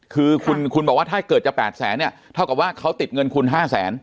คือคุณบอกว่าถ้าเกิดจะ๘แสนเนี่ยเท่ากับว่าเขาติดเงินคุณ๕แสน